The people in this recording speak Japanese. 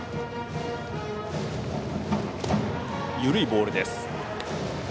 緩いボールです。